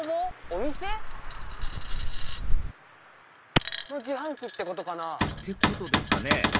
お店？の自販機ってことかな？ってことですかね